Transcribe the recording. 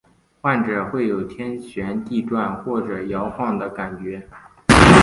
患者会有天旋地转或是摇晃的感觉。